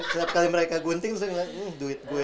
setiap kali mereka gunting terus ngeliat ini duit gue